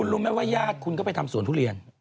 รู้ไหมว่าญาติคุณก็ไปทำสวนทุเรียน